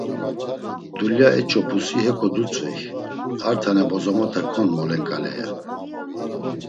Dulya eç̌opusi heko dutzvey ar tane bozomota kon molen ǩale, ya.